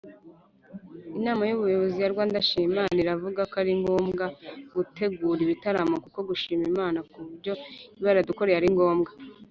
Inama y Ubuyobozi ya Rwanda shima imana ivugako aringombwa gutegura ibitaramo kuko gushima imana kubyo ibayaradukoreye aringombwa.